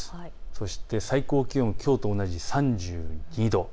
そして最高気温はきょうと同じ３２度。